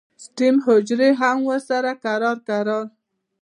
سټیم حجرې هم ورسره کرار کرار